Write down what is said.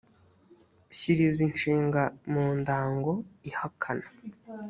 shyira izi nshinga mu ndango ihakana